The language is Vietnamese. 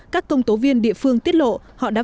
các công tố viên địa phương tiết lộ họ đã